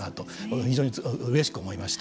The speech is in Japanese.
非常にうれしく思いました。